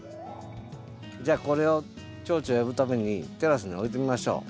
じゃあこれをチョウチョ呼ぶためにテラスに置いてみましょう。